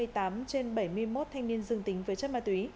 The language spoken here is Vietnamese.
hai mươi tám trên bảy mươi một thanh niên dương tính với chất ma túy